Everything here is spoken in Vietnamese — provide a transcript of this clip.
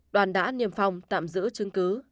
đoàn đã niềm phòng tạm giữ chứng cứ